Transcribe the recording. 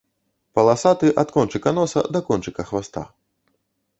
Паласаты ад кончыка носа да кончыка хваста.